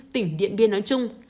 tỉnh điện biên nói chung